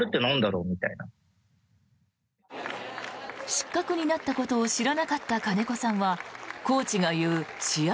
失格になったことを知らなかった金子さんはコーチが言う試合